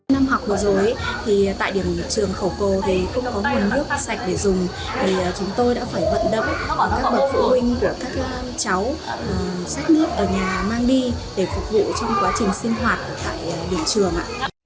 năm học vừa rồi tại điểm trường khẩu cổ cũng có nguồn nước sạch để dùng chúng tôi đã phải vận động các bậc phụ huynh của các cháu sách nước ở nhà mang đi để phục vụ trong quá trình sinh hoạt tại điểm trường